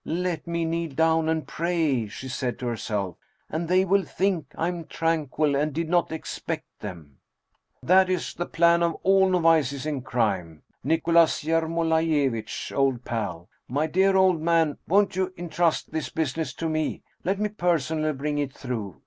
' Let me kneel down and pray/ she said to herself, ' and they will think I am tranquil and did not expect them !' That is the plan of all novices in crime, Nicholas Yer molaiyevitch, old pal ! My dear old man, won't you intrust this business to me? Let me personally bring it through!